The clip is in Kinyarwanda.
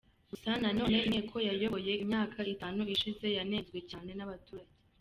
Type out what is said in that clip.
Gusa nanone inteko yayoboye imyaka itanu ishize yanenzwe cyane n’abaturage.